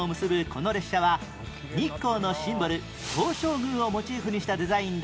この列車は日光のシンボル東照宮をモチーフにしたデザインで